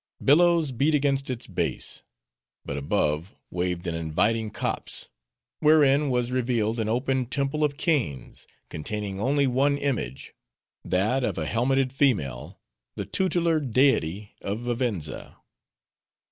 Billows beat against its base. But above, waved an inviting copse, wherein was revealed an open temple of canes, containing one only image, that of a helmeted female, the tutelar deity of Vivenza.